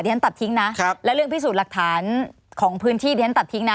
ฉันตัดทิ้งนะแล้วเรื่องพิสูจน์หลักฐานของพื้นที่ที่ฉันตัดทิ้งนะ